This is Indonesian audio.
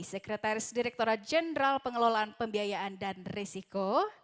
sekretaris direktura jenderal pengelolaan pembiayaan dan risiko